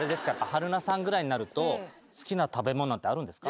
春菜さんぐらいになると好きな食べ物ってあるんですか？